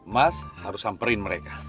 mas harus samperin mereka